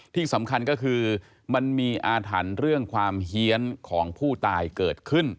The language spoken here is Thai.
ที่สำคัญก็คือมันมีอาถรรพ์เรื่องความเฮียนของผู้ตายเกิดขึ้น